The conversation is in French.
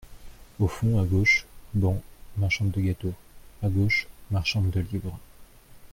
Au fond, à gauche, bancs, marchande de gâteaux ; à gauche, marchande de livres.